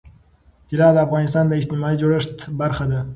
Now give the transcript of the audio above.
طلا د افغانستان د اجتماعي جوړښت برخه ده.